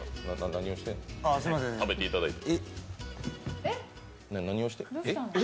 何をしてるん食べていただいて。